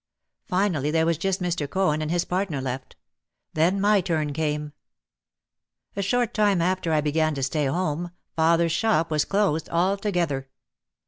Finally there was just Mr. Cohen and his partner left. Then my turn came. A short time after I began to stay home father's shop was closed altogether.